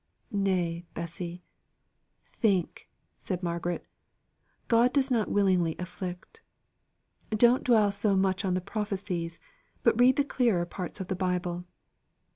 "Nay, Bessy think!" said Margaret. "God does not willingly inflict. Don't dwell so much on the prophecies, but read the clearer parts of the Bible."